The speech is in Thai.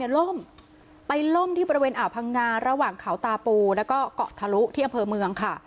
ในเรือล่มที่บริเวณอาพังงาระหว่างขาวตาปูและเกาะถารุที่อำเภอเมืองค่ะ